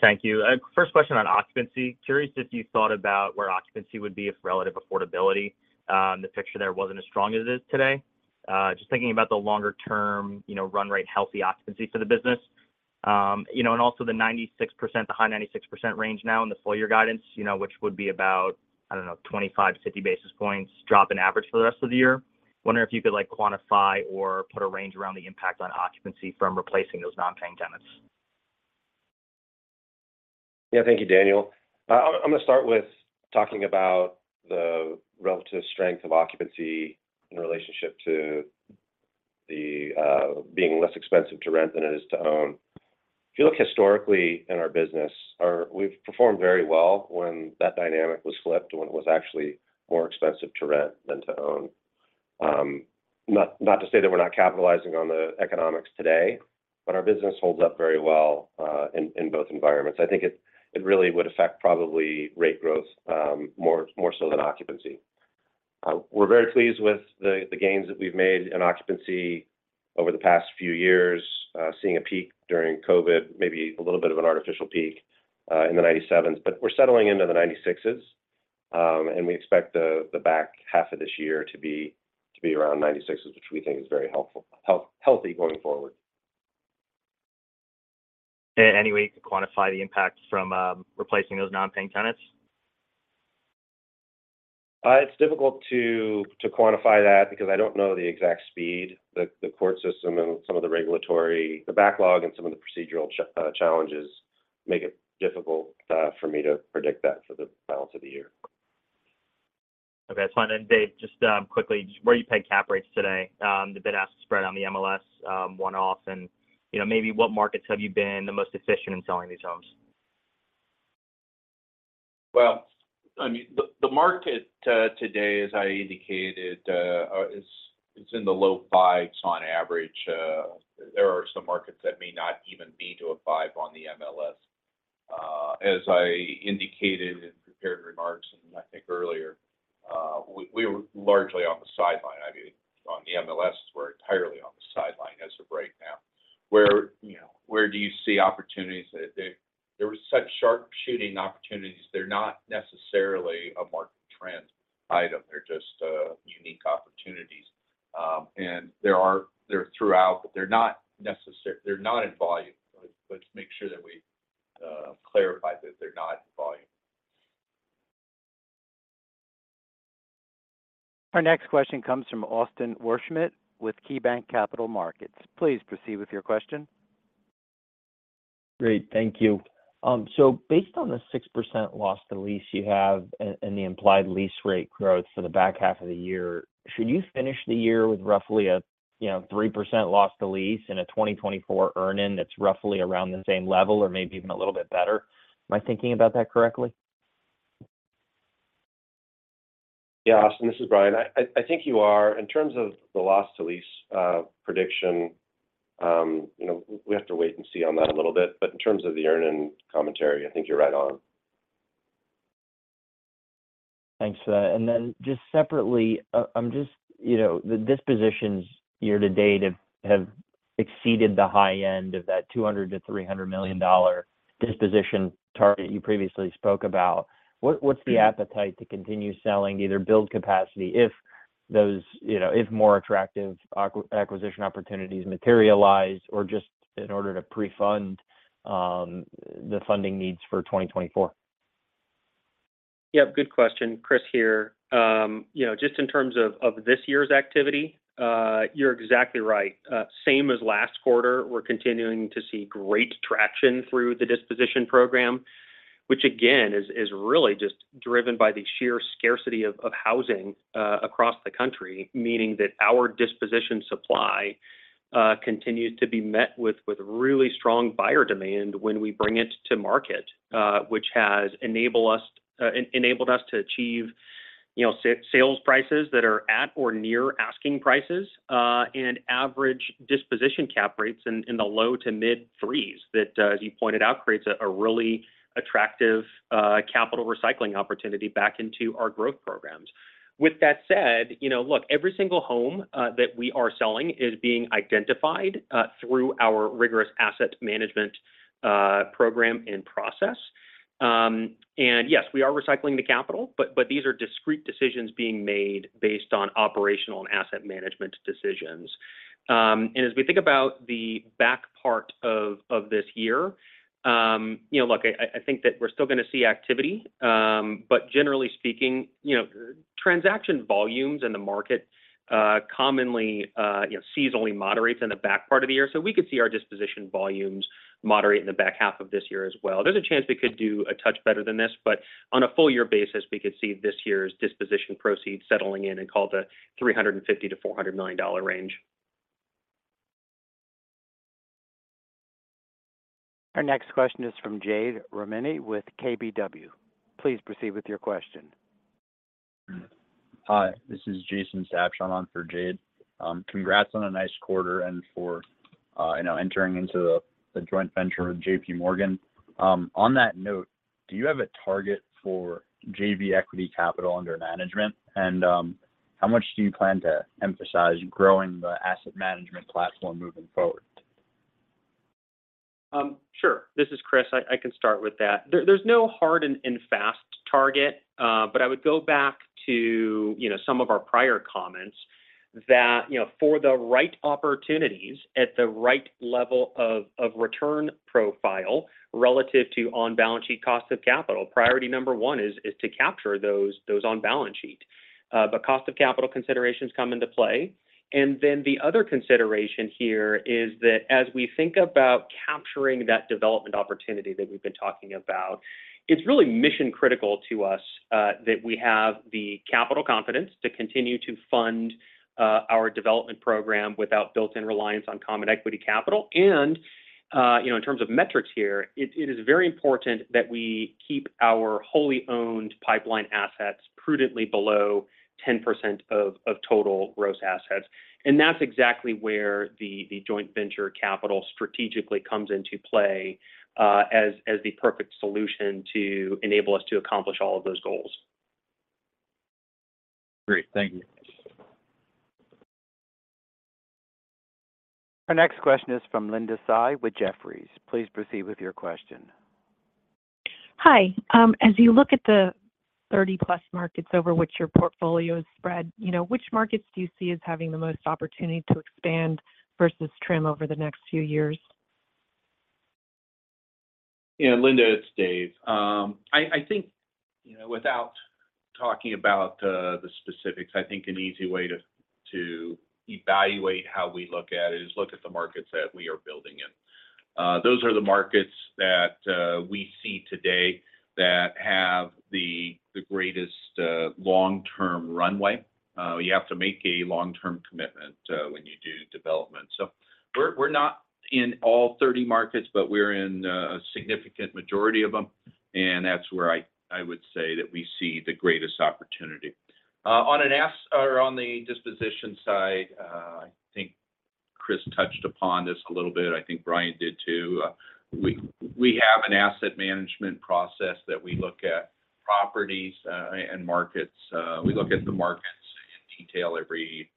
Thank you. First question on occupancy. Curious if you thought about where occupancy would be if relative affordability, the picture there wasn't as strong as it is today? Just thinking about the longer term, you know, run rate, healthy occupancy for the business. You know, and also the 96%, the high 96% range now in the full year guidance, you know, which would be about, I don't know, 25-50 basis points drop in average for the rest of the year. Wondering if you could, like, quantify or put a range around the impact on occupancy from replacing those non-paying tenants. Yeah. Thank you, Daniel. I'm gonna start with talking about the relative strength of occupancy in relationship to being less expensive to rent than it is to own. If you look historically in our business, we've performed very well when that dynamic was flipped, when it was actually more expensive to rent than to own. Not to say that we're not capitalizing on the economics today, but our business holds up very well in both environments. I think it really would affect probably rate growth more so than occupancy. We're very pleased with the gains that we've made in occupancy over the past few years. Seeing a peak during COVID, maybe a little bit of an artificial peak in the ninety-sevens, but we're settling into the ninety-sixes. We expect the back half of this year to be around 96s, which we think is very helpful, healthy going forward. Any way you can quantify the impact from replacing those non-paying tenants? It's difficult to, to quantify that because I don't know the exact speed. The court system and some of the regulatory, the backlog and some of the procedural challenges make it difficult for me to predict that for the balance of the year. Okay, that's fine. Dave, just quickly, where do you pay cap rates today? The bid-ask spread on the MLS, one-off, and, you know, maybe what markets have you been the most efficient in selling these homes? Well, I mean, the market today, as I indicated, it's in the low fives on average. There are some markets that may not even be to a five on the MLS. As I indicated in prepared remarks, and I think earlier, we are largely on the sideline. I mean, on the MLSs, we're entirely on the sideline as of right now. Where, you know, where do you see opportunities? There were such sharp shooting opportunities. They're not necessarily a market trend item. They're just unique opportunities. And there are. They're throughout, but they're not in volume. Let's make sure that we clarify that they're not in volume. Our next question comes from Austin Wurschmidt with KeyBanc Capital Markets. Please proceed with your question. Great. Thank you. Based on the 6% loss to lease you have and the implied lease rate growth for the back half of the year, should you finish the year with roughly a, you know, 3% loss to lease and a 2024 earn-in that's roughly around the same level or maybe even a little bit better? Am I thinking about that correctly? Yeah, Austin, this is Bryan. I think you are. In terms of the loss to lease prediction, you know, we have to wait and see on that a little bit. In terms of the earn-in commentary, I think you're right on. Thanks for that. Then just separately, I'm just, you know, the dispositions year to date have exceeded the high end of that $200 million-$300 million disposition target you previously spoke about. What's the appetite to continue selling, either build capacity if those, you know, if more attractive acquisition opportunities materialize or just in order to pre-fund, the funding needs for 2024? Yep, good question. Chris here. You know, just in terms of, of this year's activity, you're exactly right. Same as last quarter, we're continuing to see great traction through the disposition program, which again, is, is really just driven by the sheer scarcity of, of housing, across the country. Meaning that our disposition supply, continues to be met with, with really strong buyer demand when we bring it to market, which has enabled us to achieve, you know, sales prices that are at or near asking prices, and average disposition cap rates in, in the low to mid threes, that, as you pointed out, creates a, a really attractive, capital recycling opportunity back into our growth programs. With that said, you know, look, every single home that we are selling is being identified through our rigorous asset management program and process. Yes, we are recycling the capital, but, but these are discrete decisions being made based on operational and asset management decisions. As we think about the back part of, of this year, you know, look, I, I, I think that we're still gonna see activity, but generally speaking, you know, transaction volumes in the market commonly, you know, seasonally moderates in the back part of the year. We could see our disposition volumes moderate in the back half of this year as well. There's a chance we could do a touch better than this. On a full year basis, we could see this year's disposition proceeds settling in and call the $350 million-$400 million range. Our next question is from Jade Rahmani with KBW. Please proceed with your question. Hi, this is Jason Sabshon. I'm on for Jade. Congrats on a nice quarter and, you know, entering into the, the joint venture with J.P. Morgan. On that note, do you have a target for JV equity capital under management? How much do you plan to emphasize growing the asset management platform moving forward? Sure. This is Chris. I, I can start with that. There, there's no hard and fast target, but I would go back to, you know, some of our prior comments that, you know, for the right opportunities at the right level of return profile relative to on-balance sheet cost of capital, priority number one is to capture those, those on-balance sheet. But cost of capital considerations come into play. Then the other consideration here is that as we think about capturing that development opportunity that we've been talking about, it's really mission critical to us, that we have the capital confidence to continue to fund, our development program without built-in reliance on common equity capital. You know, in terms of metrics here, it, it is very important that we keep our wholly owned pipeline assets prudently below 10% of, of total gross assets. That's exactly where the, the joint venture capital strategically comes into play, as the perfect solution to enable us to accomplish all of those goals. Great. Thank you. Our next question is from Linda Tsai with Jefferies. Please proceed with your question. Hi. As you look at the 30+ markets over which your portfolio is spread, you know, which markets do you see as having the most opportunity to expand versus trim over the next few years? Yeah, Linda, it's David. I, I think, you know, without talking about the specifics, I think an easy way to, to evaluate how we look at it is look at the markets that we are building in. Those are the markets that we see today that have the greatest long-term runway. You have to make a long-term commitment when you do development. So we're, we're not in all 30 markets, but we're in a significant majority of them, and that's where I, I would say that we see the greatest opportunity. On an as- or on the disposition side, I think Chris touched upon this a little bit. I think Bryan did, too. We, we have an asset management process that we look at properties and markets. We look at the markets in detail every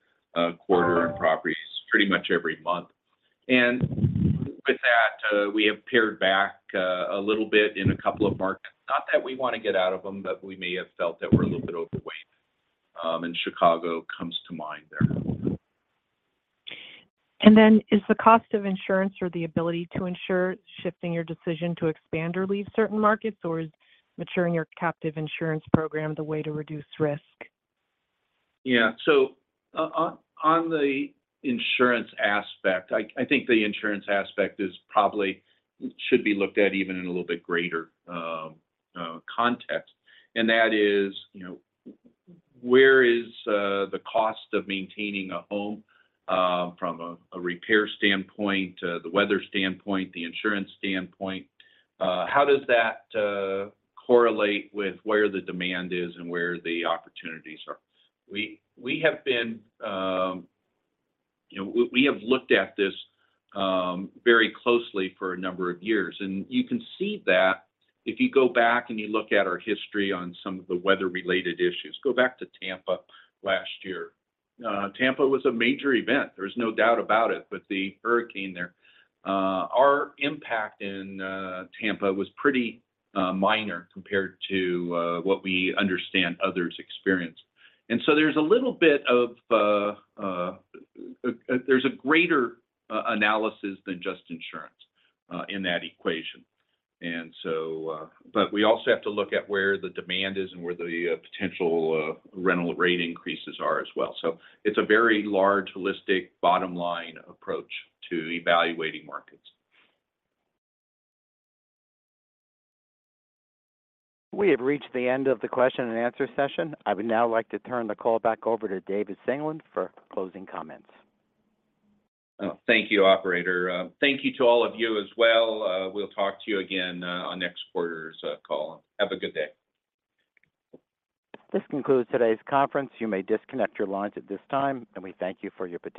quarter, and properties pretty much every month. With that, we have pared back a little bit in a couple of markets. Not that we want to get out of them, but we may have felt that we're a little bit overweight. Chicago comes to mind there. Then is the cost of insurance or the ability to insure shifting your decision to expand or leave certain markets, or is maturing your captive insurance program the way to reduce risk? Yeah. On, on the insurance aspect, I, I think the insurance aspect should be looked at even in a little bit greater context, and that is, you know, where is the cost of maintaining a home from a repair standpoint, the weather standpoint, the insurance standpoint? How does that correlate with where the demand is and where the opportunities are? We, we have been... You know, we, we have looked at this very closely for a number of years, and you can see that if you go back and you look at our history on some of the weather-related issues. Go back to Tampa last year. Tampa was a major event, there's no doubt about it, with the hurricane there. Our impact in Tampa was pretty minor compared to what we understand others experienced. So there's a little bit of there's a greater analysis than just insurance in that equation. So, but we also have to look at where the demand is and where the potential rental rate increases are as well. It's a very large, holistic, bottom-line approach to evaluating markets. We have reached the end of the question and answer session. I would now like to turn the call back over to David Singelyn for closing comments. Oh, thank you, operator. Thank you to all of you as well. We'll talk to you again on next quarter's call. Have a good day. This concludes today's conference. You may disconnect your lines at this time, and we thank you for your participation.